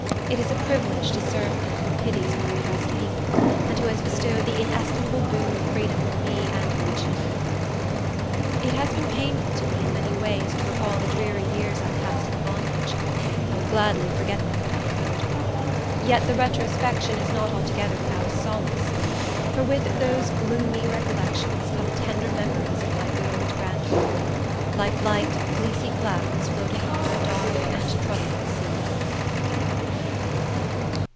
It is a privilege to serve her who pities my oppressed people, and who has bestowed the inestimable boon of freedom on me and my children. It has been painful to me, in many ways, to recall the dreary years I passed in bondage. I would gladly forget them if I could. Yet the retrospection is not altogether without solace; for with those gloomy recollections come tender memories of my good old grandmother, like light, fleecy clouds floating over a dark and troubled sea.